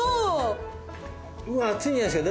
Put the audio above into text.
熱いんじゃないですか？